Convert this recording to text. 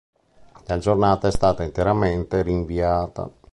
La giornata è stata interamente rinviata.